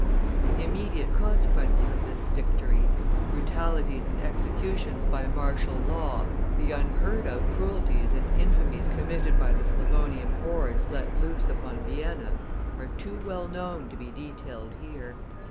The immediate consequences of this victory, the brutalities and executions by martial law, the unheard of cruelties and infamies committed by the Slavonian hordes let loose upon Vienna, are too well known to be detailed here.